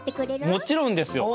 もちろんですよ。